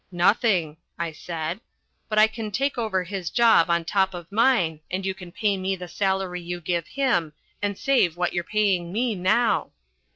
"Nothing," I said, "but I can take over his job on top of mine and you can pay me the salary you give him and save what you're paying me now."